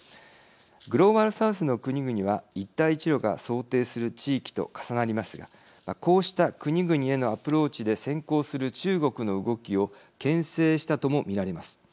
グローバル・サウスの国々は一帯一路が想定する地域と重なりますがこうした国々へのアプローチで先行する中国の動きをけん制したとも見られます。